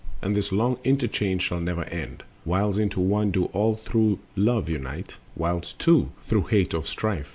And this long interchange shall never end. Whiles into One do all through Love unite; Whiles too the same are rent through hate of Strife.